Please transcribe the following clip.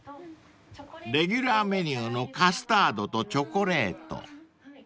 ［レギュラーメニューのカスタードとチョコレート］